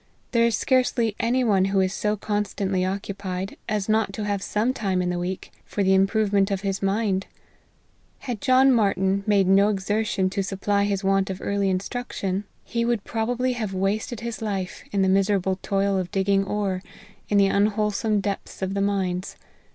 There is scarcely any one who is so constantly occupied, as not to have some time in the week, for the improvement of his mind. Had John Martyn made no exertion to supply his want of early instruction, he would probably A2 5 6 LIFE OF HENRY MARTYN. have wasted his life in the miserable toil of digging ore, in the unwholesome depths of the mines.